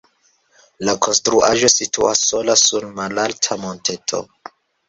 La konstruaĵo situas sola sur malalta monteto.